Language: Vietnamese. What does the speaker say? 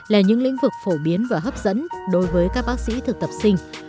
là những lĩnh vực phổ biến và hấp dẫn đối với các bác sĩ thực tập sinh